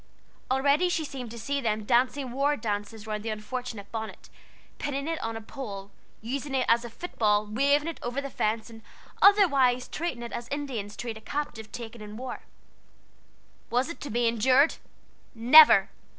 Already she seemed to see them dancing war dances round the unfortunate bonnet, pinning it on a pole, using it as a football, waving it over the fence, and otherwise treating it as Indians treat a captive taken in war. Was it to be endured? Never!